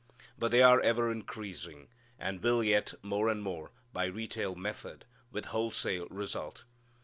But they are ever increasing, and will yet more and more, by retail method, with wholesale result.